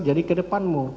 jadi ke depanmu